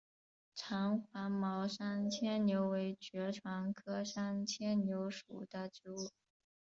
长黄毛山牵牛为爵床科山牵牛属的植物。